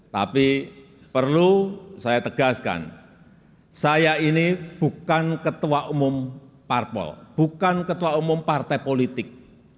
tapi perlu saya tegaskan saya ini bukan ketua umum parpol bukan ketua umum partai politik